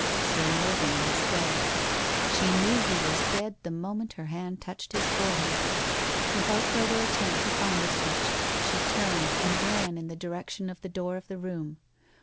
Sir Mervyn was dead. She knew he was dead the mo ment her hand touched his forehead. Without further attempt to find the switch she turned and ran in the direc tion of the door of the room.